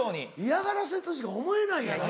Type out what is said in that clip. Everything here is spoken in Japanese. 嫌がらせとしか思えないやろ。